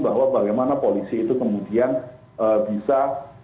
bahwa bagaimana polisi itu kemudian bisa